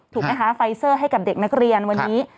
ถูกไหมคะไฟเซอร์ให้กับเด็กนักเรียนวันนี้